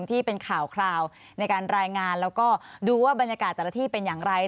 ที่เป็นข่าวคราวในการรายงานแล้วก็ดูว่าบรรยากาศแต่ละที่เป็นอย่างไร